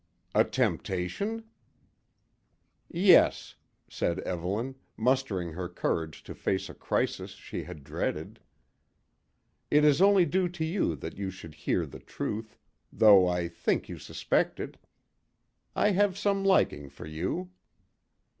"A temptation?" "Yes," said Evelyn, mustering her courage to face a crisis she had dreaded. "It is only due to you that you should hear the truth though I think you suspect it. I have some liking for you."